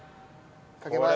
かけます。